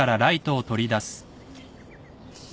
よし。